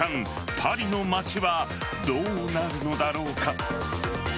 パリの街はどうなるのだろうか。